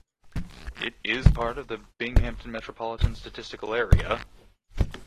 It is part of the Binghamton Metropolitan Statistical Area.